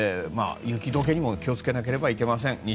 雪解けにも気をつけなければなりません。